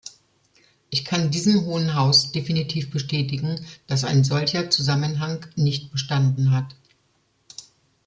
Ich kann diesem Hohen Haus definitiv bestätigen, dass ein solcher Zusammenhang nicht bestanden hat.